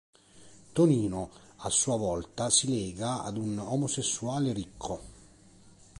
Tonino a sua volta si lega ad un omosessuale ricco.